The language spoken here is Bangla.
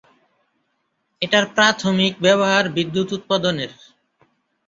এটার প্রাথমিক ব্যবহার বিদ্যুৎ উৎপাদনের।